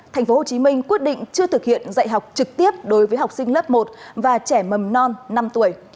tp hcm quyết định chưa thực hiện dạy học trực tiếp đối với học sinh lớp một và trẻ mầm non năm tuổi